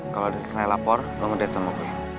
kalo udah susah lapor lo ngedate sama gue